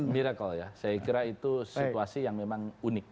miracle ya saya kira itu situasi yang memang unik